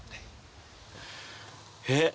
えっ？